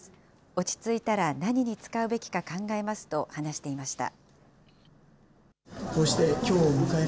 落ち着いたら何に使うべきか考えますと話していました。